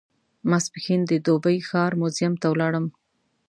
ماپښین د دوبۍ ښار موزیم ته ولاړم.